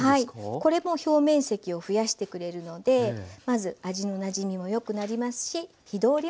これも表面積を増やしてくれるのでまず味のなじみも良くなりますし火通りも良くなります。